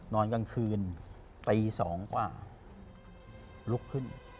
นอนกลางคืนตี๒กว่าลุกขึ้น